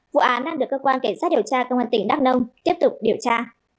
vụ án đang được cơ quan cảnh sát điều tra cơ quan tỉnh đắk nông tiếp tục điều tra